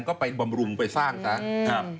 ก็ไปบำรุงไปสร้างซะ